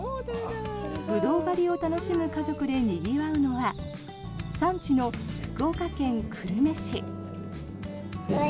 ブドウ狩りを楽しむ家族でにぎわうのは産地の福岡県久留米市。